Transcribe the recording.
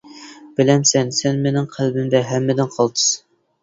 بىلەمسەن، سەن مېنىڭ قەلبىمدە ھەممىدىن قالتىس.